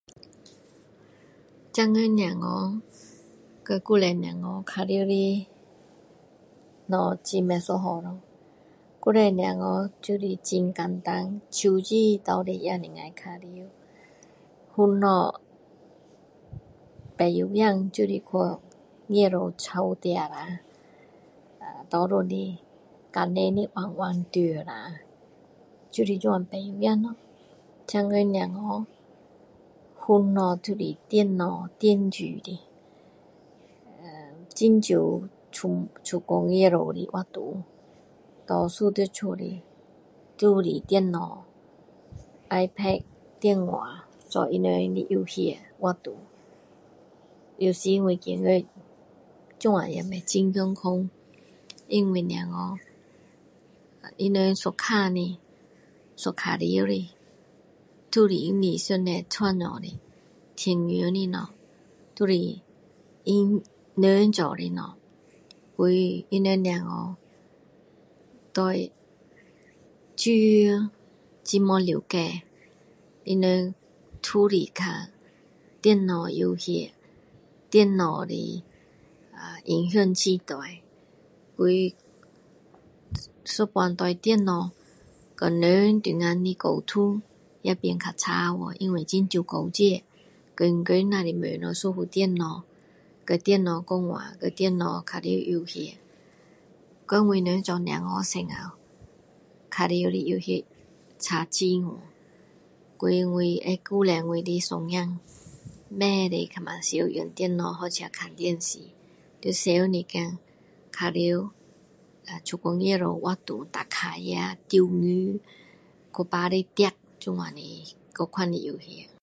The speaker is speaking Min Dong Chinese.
现今小孩和以前玩的玩具都不一样了以前小孩就是很简单手子拿来也可以玩什么家家酒就是去外面草摘下拿回来然后碗拿出来装一下就是这样家家酒咯 现在小孩什么电话电脑电子的很少出去外面活动多数在家都是电脑ipad电话做他们的游戏活动有时我觉得这样很不健康因为小孩他们所看的所玩的都不是上帝创造的天然的东西都是因人做的东西所以他们小孩对自然很不了解他们都是看电脑游戏电脑的影响很大一半对电脑跟人的沟通也变很差掉很少交际天天只是看一副电脑和电脑游戏跟我们做小孩时玩的游戏差很远所以我会鼓励我的孙子不可以那么常看电脑看电视要常一点玩呃出去外面活动骑脚车钓鱼去芭里跑这样的这种游戏